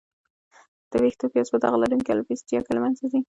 د وېښتو پیاز په داغ لرونکې الوپیسیا کې له منځه ځي.